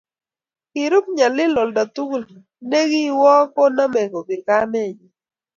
Kirub nyalil oldo togul ne ki wok koname kopir kamenyii